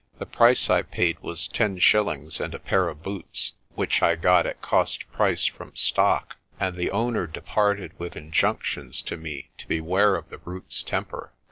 The price I paid was ten shillings and a pair of boots, which I got at cost price from stock, and the owner departed with injunc tions to me to beware of the brute's temper.